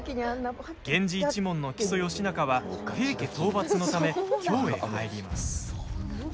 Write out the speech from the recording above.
源氏一門の木曽義仲は平家討伐のため、京へ入ります。